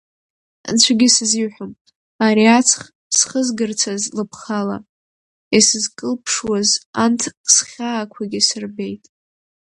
Анцәагьы сызиҳәом, ари аҵх схызгарцаз лыԥхала, исызкылԥшуаз, анҭ схьаақәагьы сырбеит!